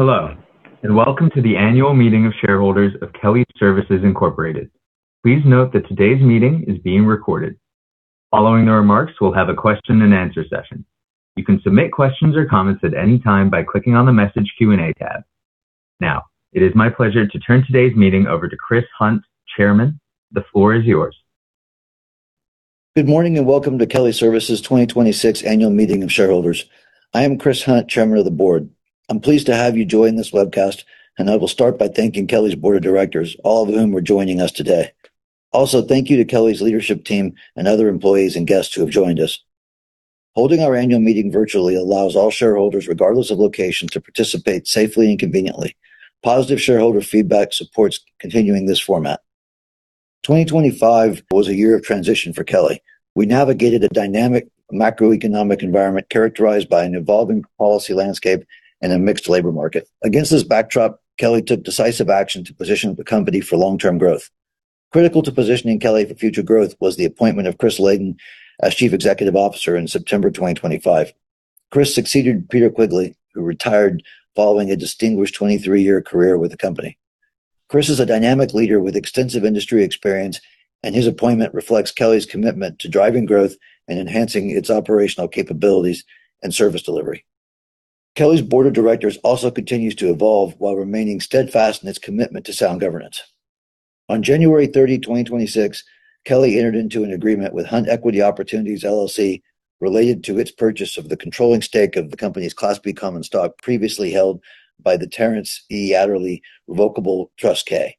Hello, welcome to the annual meeting of shareholders of Kelly Services, Incorporated. Please note that today's meeting is being recorded. Following the remarks, we'll have a question and answer session. You can submit questions or comments at any time by clicking on the Message Q&A tab. Now, it is my pleasure to turn today's meeting over to Chris Hunt, Chairman. The floor is yours. Good morning, welcome to Kelly Services' 2026 annual meeting of shareholders. I am Chris Hunt, Chairman of the Board. I'm pleased to have you join this webcast, I will start by thanking Kelly's board of directors, all of whom are joining us today. Also, thank you to Kelly's leadership team and other employees and guests who have joined us. Holding our annual meeting virtually allows all shareholders, regardless of location, to participate safely and conveniently. Positive shareholder feedback supports continuing this format. 2025 was a year of transition for Kelly. We navigated a dynamic macroeconomic environment characterized by an evolving policy landscape and a mixed labor market. Against this backdrop, Kelly took decisive action to position the company for long-term growth. Critical to positioning Kelly for future growth was the appointment of Chris Layden as Chief Executive Officer in September 2025. Chris succeeded Peter Quigley, who retired following a distinguished 23-year career with the company. Chris is a dynamic leader with extensive industry experience, and his appointment reflects Kelly's commitment to driving growth and enhancing its operational capabilities and service delivery. Kelly's board of directors also continues to evolve while remaining steadfast in its commitment to sound governance. On January 30th, 2026, Kelly entered into an agreement with Hunt Equity Opportunities, LLC, related to its purchase of the controlling stake of the company's Class B common stock previously held by the Terence E. Adderley Revocable Trust K.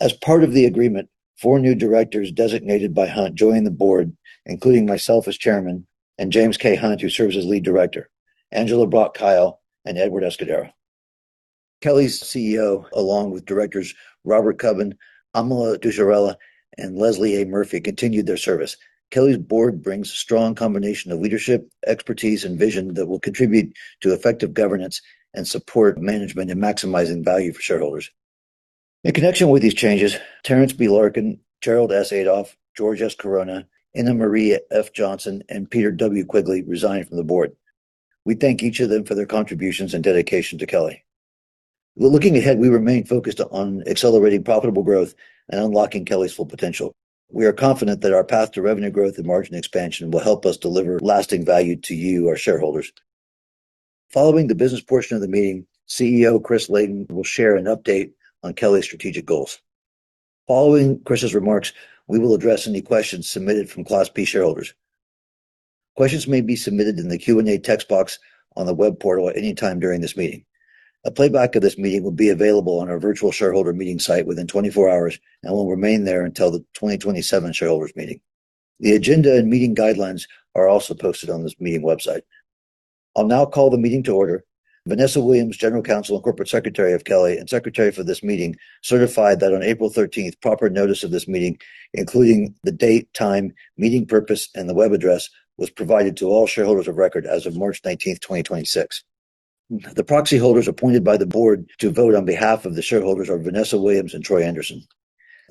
As part of the agreement, four new directors designated by Hunt joined the board, including myself as Chairman, and James K. Hunt, who serves as lead director, Angela Brock-Kyle, and Edward Escudero. Kelly's CEO, along with directors Robert S. Cubbin, Amala Duggirala, and Leslie A. Murphy, continued their service. Kelly's board brings a strong combination of leadership, expertise, and vision that will contribute to effective governance and support management in maximizing value for shareholders. In connection with these changes, Terrence B. Larkin, Gerald S. Adolph, George S. Corona, InaMarie F. Johnson, and Peter W. Quigley resigned from the board. We thank each of them for their contributions and dedication to Kelly. Looking ahead, we remain focused on accelerating profitable growth and unlocking Kelly's full potential. We are confident that our path to revenue growth and margin expansion will help us deliver lasting value to you, our shareholders. Following the business portion of the meeting, CEO Chris Layden will share an update on Kelly's strategic goals. Following Chris' remarks, we will address any questions submitted from Class B shareholders. Questions may be submitted in the Q&A text box on the web portal at any time during this meeting. A playback of this meeting will be available on our virtual shareholder meeting site within 24 hours and will remain there until the 2027 shareholders meeting. The agenda and meeting guidelines are also posted on this meeting website. I'll now call the meeting to order. Vanessa Williams, General Counsel and Corporate Secretary of Kelly and secretary for this meeting, certified that on April 13th, proper notice of this meeting, including the date, time, meeting purpose, and the web address, was provided to all shareholders of record as of March 19th, 2026. The proxy holders appointed by the board to vote on behalf of the shareholders are Vanessa Williams and Troy Anderson.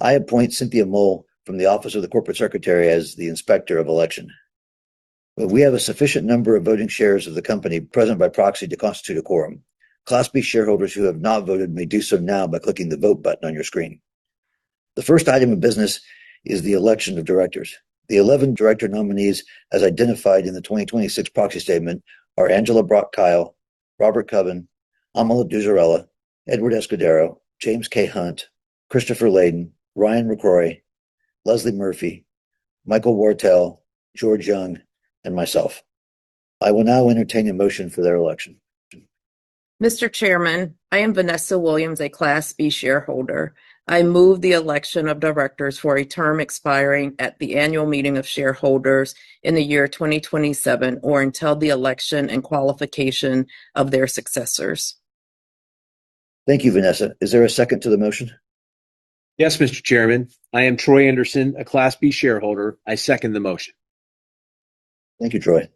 I appoint Cynthia Mull from the Office of the Corporate Secretary as the Inspector of Election. Well, we have a sufficient number of voting shares of the company present by proxy to constitute a quorum. Class B shareholders who have not voted may do so now by clicking the Vote button on your screen. The first item of business is the election of directors. The 11 director nominees, as identified in the 2026 proxy statement, are Angela Brock-Kyle, Robert S. Cubbin, Amala Duggirala, Edward Escudero, James K. Hunt, Christopher Layden, Ryan McCrory, Leslie Murphy, Michael Wartell, George Young, and myself. I will now entertain a motion for their election. Mr. Chairman, I am Vanessa Williams, a Class B shareholder. I move the election of directors for a term expiring at the annual meeting of shareholders in the year 2027 or until the election and qualification of their successors. Thank you, Vanessa. Is there a second to the motion? Yes, Mr. Chairman. I am Troy Anderson, a Class B shareholder. I second the motion. Thank you, Troy.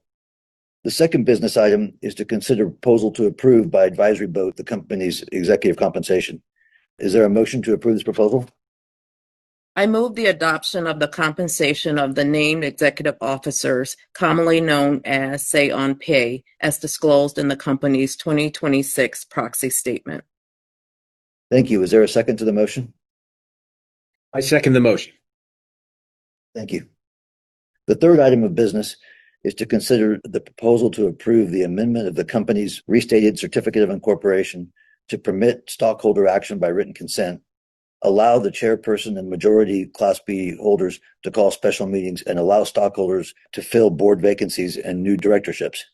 The second business item is to consider proposal to approve by advisory vote the company's executive compensation. Is there a motion to approve this proposal? I move the adoption of the compensation of the named executive officers, commonly known as say on pay, as disclosed in the company's 2026 proxy statement. Thank you. Is there a second to the motion? I second the motion. Thank you. The third item of business is to consider the proposal to approve the amendment of the company's restated certificate of incorporation to permit stockholder action by written consent, allow the chairperson and majority Class B holders to call special meetings, and allow stockholders to fill board vacancies and new directorships.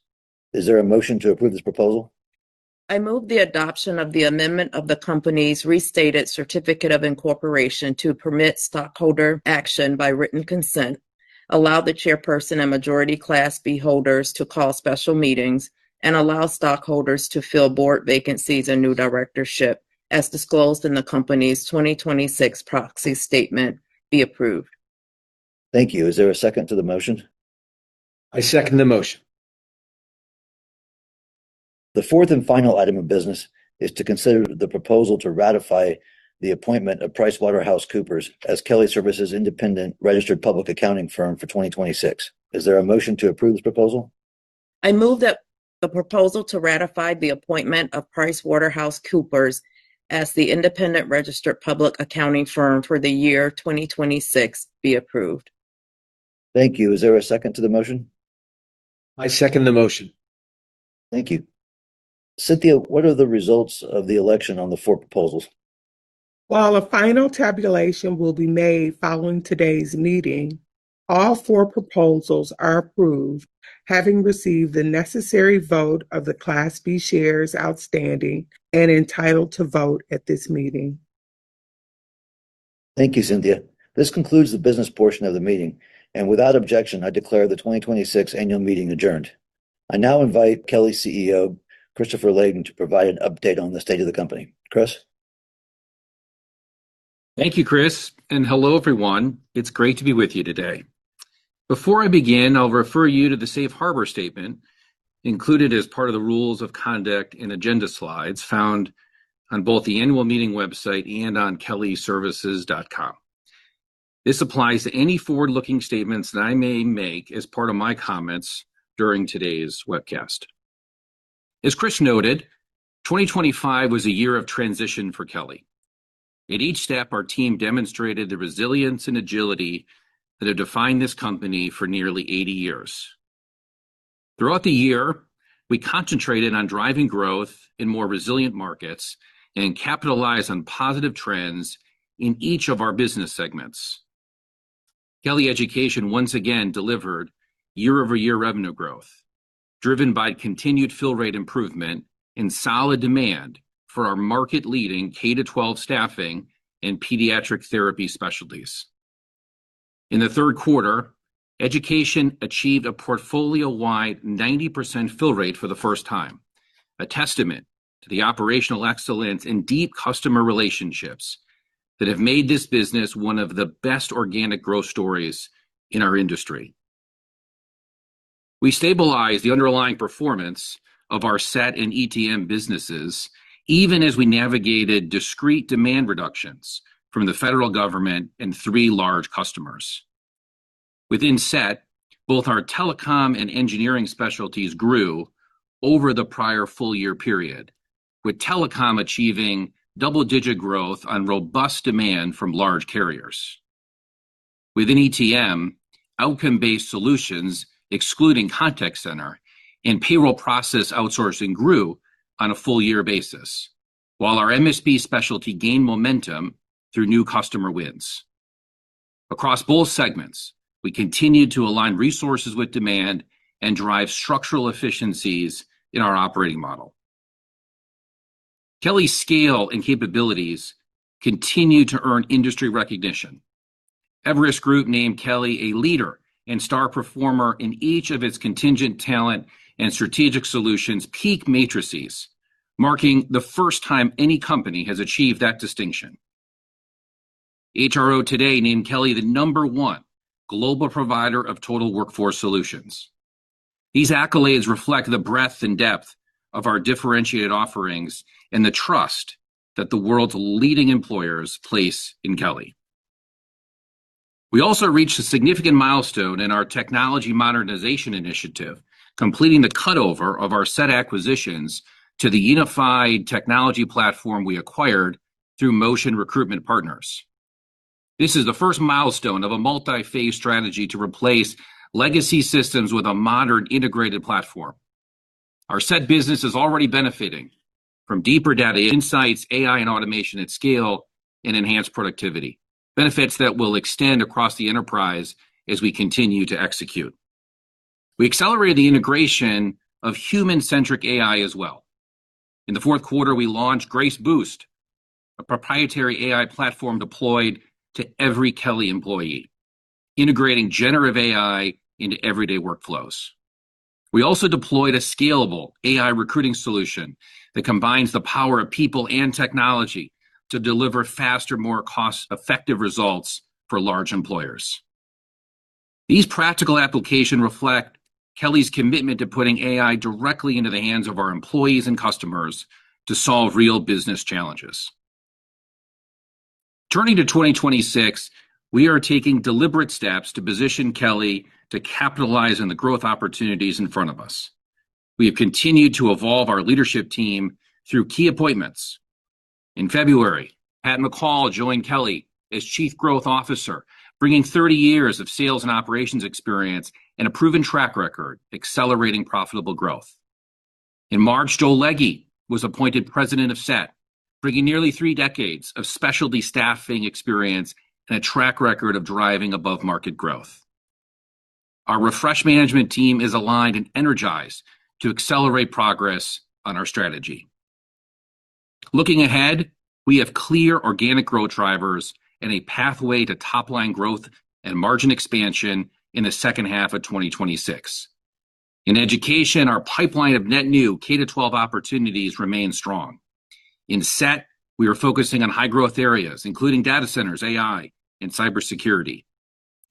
Is there a motion to approve this proposal? I move the adoption of the amendment of the company's restated certificate of incorporation to permit stockholder action by written consent, allow the chairperson and majority Class B holders to call special meetings, and allow stockholders to fill board vacancies and new directorships, as disclosed in the company's 2026 proxy statement, be approved. Thank you. Is there a second to the motion? I second the motion. The fourth and final item of business is to consider the proposal to ratify the appointment of PricewaterhouseCoopers as Kelly Services' independent registered public accounting firm for 2026. Is there a motion to approve this proposal? I move that the proposal to ratify the appointment of PricewaterhouseCoopers as the independent registered public accounting firm for the year 2026 be approved. Thank you. Is there a second to the motion? I second the motion. Thank you. Cynthia, what are the results of the election on the four proposals? While a final tabulation will be made following today's meeting, all four proposals are approved, having received the necessary vote of the Class B shares outstanding and entitled to vote at this meeting. Thank you, Cynthia. This concludes the business portion of the meeting. Without objection, I declare the 2026 annual meeting adjourned. I now invite Kelly CEO, Chris Layden, to provide an update on the state of the company. Chris? Thank you, Chris, and hello everyone. It's great to be with you today. Before I begin, I'll refer you to the safe harbor statement included as part of the rules of conduct and agenda slides found on both the annual meeting website and on kellyservices.com. This applies to any forward-looking statements that I may make as part of my comments during today's webcast. As Chris noted, 2025 was a year of transition for Kelly. At each step, our team demonstrated the resilience and agility that have defined this company for nearly 80 years. Throughout the year, we concentrated on driving growth in more resilient markets and capitalized on positive trends in each of our business segments. Kelly Education once again delivered year-over-year revenue growth, driven by continued fill rate improvement and solid demand for our market-leading K-12 staffing and pediatric therapy specialties. In the third quarter, Kelly Education achieved a portfolio-wide 90% fill rate for the first time, a testament to the operational excellence and deep customer relationships that have made this business one of the best organic growth stories in our industry. We stabilized the underlying performance of our SET and ETM businesses, even as we navigated discrete demand reductions from the federal government and three large customers. Within SET, both our telecom and engineering specialties grew over the prior full year period, with telecom achieving double-digit growth on robust demand from large carriers. Within ETM, outcome-based solutions, excluding contact center and payroll process outsourcing grew on a full year basis. While our MSP specialty gained momentum through new customer wins. Across both segments, we continued to align resources with demand and drive structural efficiencies in our operating model. Kelly's scale and capabilities continue to earn industry recognition. Everest Group named Kelly a leader and star performer in each of its contingent talent and strategic solutions PEAK matrices, marking the first time any company has achieved that distinction. HRO Today named Kelly the number one global provider of total workforce solutions. These accolades reflect the breadth and depth of our differentiated offerings and the trust that the world's leading employers place in Kelly. We also reached a significant milestone in our technology modernization initiative, completing the cut-over of our SET acquisitions to the unified technology platform we acquired through Motion Recruitment Partners. This is the first milestone of a multi-phase strategy to replace legacy systems with a modern integrated platform. Our SET business is already benefiting from deeper data insights, AI and automation at scale, and enhanced productivity, benefits that will extend across the enterprise as we continue to execute. We accelerated the integration of human-centric AI as well. In the fourth quarter, we launched Grace Boost, a proprietary AI platform deployed to every Kelly employee, integrating generative AI into everyday workflows. We also deployed a scalable AI recruiting solution that combines the power of people and technology to deliver faster, more cost-effective results for large employers. These practical application reflect Kelly's commitment to putting AI directly into the hands of our employees and customers to solve real business challenges. Turning to 2026, we are taking deliberate steps to position Kelly to capitalize on the growth opportunities in front of us. We have continued to evolve our leadership team through key appointments. In February, Pat McCall joined Kelly as Chief Growth Officer, bringing 30 years of sales and operations experience and a proven track record, accelerating profitable growth. In March, Joel Leege was appointed President of SET, bringing nearly three decades of specialty staffing experience and a track record of driving above market growth. Our refreshed management team is aligned and energized to accelerate progress on our strategy. Looking ahead, we have clear organic growth drivers and a pathway to top-line growth and margin expansion in the second half of 2026. In education, our pipeline of net new K-12 opportunities remain strong. In SET, we are focusing on high growth areas, including data centers, AI, and cybersecurity.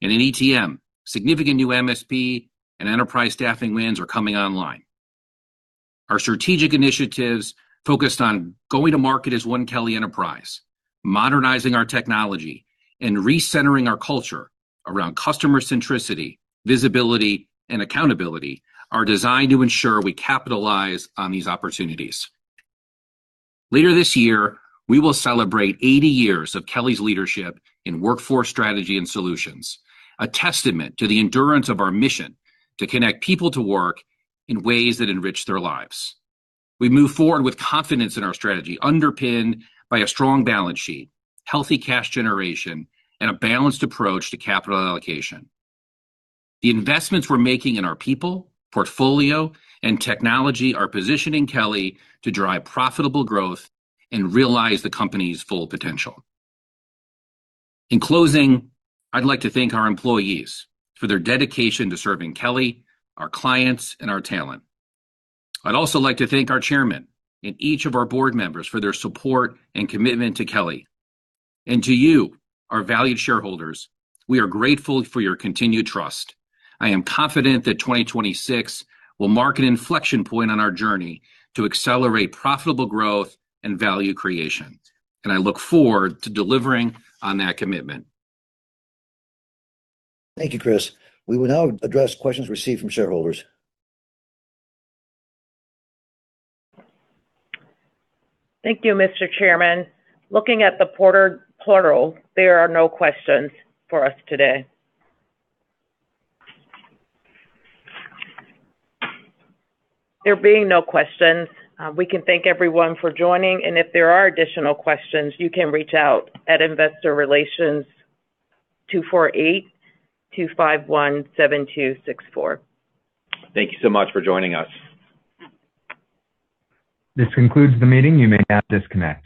In ETM, significant new MSP and enterprise staffing wins are coming online. Our strategic initiatives focused on going to market as one Kelly enterprise, modernizing our technology, and recentering our culture around customer centricity, visibility, and accountability are designed to ensure we capitalize on these opportunities. Later this year, we will celebrate 80 years of Kelly's leadership in workforce strategy and solutions, a testament to the endurance of our mission to connect people to work in ways that enrich their lives. We move forward with confidence in our strategy, underpinned by a strong balance sheet, healthy cash generation, and a balanced approach to capital allocation. The investments we're making in our people, portfolio, and technology are positioning Kelly to drive profitable growth and realize the company's full potential. In closing, I'd like to thank our employees for their dedication to serving Kelly, our clients, and our talent. I'd also like to thank our chairman and each of our board members for their support and commitment to Kelly. To you, our valued shareholders, we are grateful for your continued trust. I am confident that 2026 will mark an inflection point on our journey to accelerate profitable growth and value creation, and I look forward to delivering on that commitment. Thank you, Chris. We will now address questions received from shareholders. Thank you, Mr. Chairman. Looking at the portal, there are no questions for us today. There being no questions, we can thank everyone for joining. If there are additional questions, you can reach out at investor relations 248-251-7264. Thank you so much for joining us. This concludes the meeting. You may now disconnect.